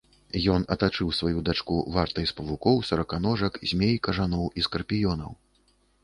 Ён атачыў сваю дачку вартай з павукоў, сараканожак, змей, кажаноў і скарпіёнаў.